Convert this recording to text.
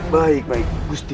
baik baik gusti